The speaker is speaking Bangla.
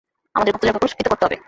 আমাদের গুপ্তচরকে পুরষ্কৃত করতে হবে।